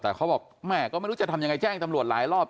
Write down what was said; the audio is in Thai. แต่เขาบอกแม่ก็ไม่รู้จะทำยังไงแจ้งตำรวจหลายรอบ